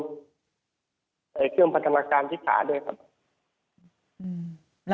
เครื่องพันธนาการที่ขาด้วยครับ